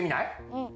うん！